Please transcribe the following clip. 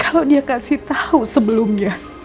kalau dia kasih tahu sebelumnya